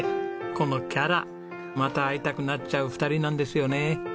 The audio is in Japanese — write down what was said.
このキャラまた会いたくなっちゃう２人なんですよね。